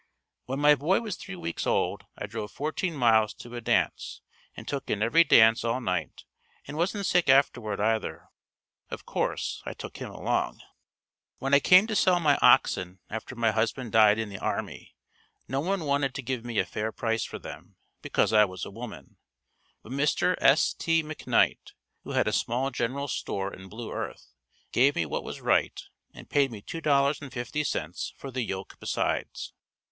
When my boy was three weeks old, I drove fourteen miles to a dance and took in every dance all night and wasn't sick afterward either. Of course, I took him along. When I came to sell my oxen after my husband died in the army, no one wanted to give me a fair price for them, because I was a woman, but Mr. S. T. McKnight, who had a small general store in Blue Earth gave me what was right and paid me $2.50 for the yoke besides.